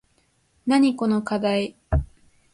なにこのかだい